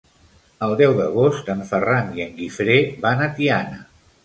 El deu d'agost en Ferran i en Guifré van a Tiana.